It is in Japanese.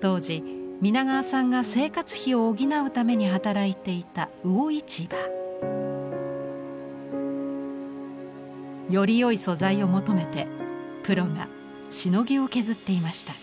当時皆川さんが生活費を補うために働いていた魚市場。よりよい素材を求めてプロがしのぎを削っていました。